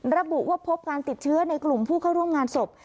ระบุว่าพบการติดเชื้อในกลุ่มผู้เข้าร่วมงานศพ